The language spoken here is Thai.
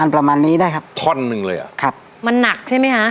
ประมาณนี้ได้ครับท่อนหนึ่งเลยอ่ะครับมันหนักใช่ไหมฮะ